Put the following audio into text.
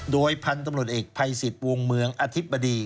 โดยพันธุ์ตำรวจเอกภัยสิทธิ์วงเมืองอธิบดี